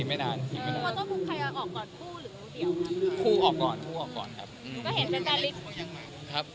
พอเจ้าพูดใครออกก่อนคู่หรือหนูเดียวครับ